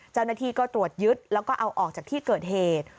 เจ้าหน้าที่ก็ตรวจยึดแล้วก็เอาออกจากที่เกิดเหตุ